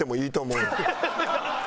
うん。